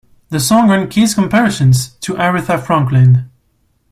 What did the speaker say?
The song earned Keys comparisons to Aretha Franklin.